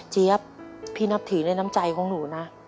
พี่นับถือในน้ำใจของหนูนะ